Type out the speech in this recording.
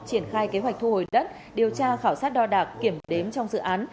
triển khai kế hoạch thu hồi đất điều tra khảo sát đo đạc kiểm đếm trong dự án